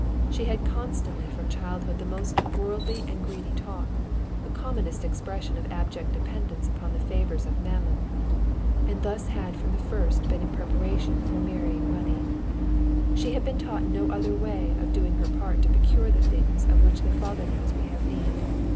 She had heard constantly from childhood the most worldly and greedy talk, the commonest expression of abject dependence on the favors of Mammon, and thus had from the first been in preparation for marrying money. She had been taught no other way of doing her part to procure the things of which the Father knows we have need.